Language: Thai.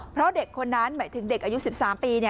เพราะเด็กคนนั้นหมายถึงเด็กอายุ๑๓ปี